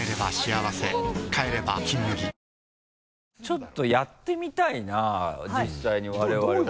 ちょっとやってみたいな実際に我々も。